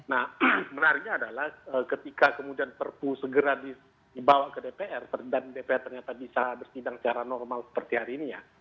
nah menariknya adalah ketika kemudian perpu segera dibawa ke dpr dan dpr ternyata bisa bersidang secara normal seperti hari ini ya